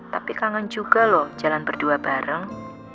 tapi kangen juga loh jalan berdua bareng